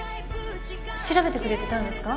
調べてくれてたんですか？